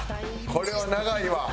これは長いわ。